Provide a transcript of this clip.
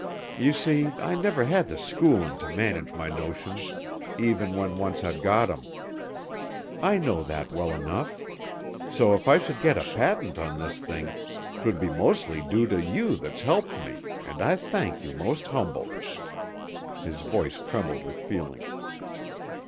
You see, I never had the schoolin' to manage my notions, even when once I'd got 'em. I know that well enough. So if I should get a patent on this thing, 'twould be mostly due to you that's helped me, an' I thank you most humble." His voice trembled with feeling.